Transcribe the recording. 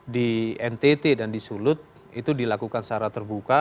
di ntt dan di sulut itu dilakukan secara terbuka